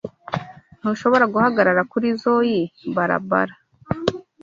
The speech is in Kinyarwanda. Ntushobora guhagarara kurizoi barabara.